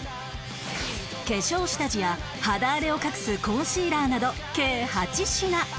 化粧下地や肌荒れを隠すコンシーラーなど計８品